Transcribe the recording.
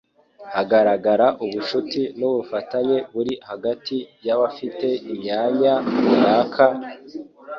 Hagaragara ubucuti n' ubufatanye buri hagati y'abafite imyanya runaka,